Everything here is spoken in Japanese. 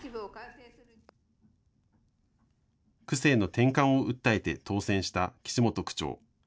区政の転換を訴えて当選した岸本区長。